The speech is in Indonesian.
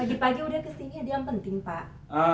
pagi pagi udah kesini ada yang penting pak